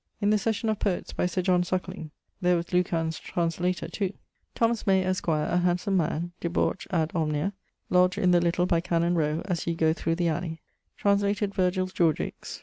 In the Session of Poets by Sir John Suckling: 'There was Lucan's translator too.' Thomas May, esq., a handsome man, debaucht ad omnia; lodged in the littleby Canon rowe, as you goe through the alley. Translated Virgil's Georgiques.